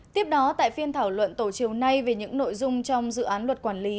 tiếp đó tại phiên thảo luận tổ chiều nay về những nội dung trong dự án luật quản lý